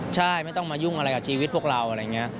ใช่ไม่ต้องมายุ่งอะไรกับชีวิตพวกเราอะไรอย่างนี้